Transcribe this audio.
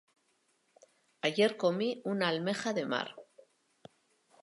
Ayer comí una almeja de mar.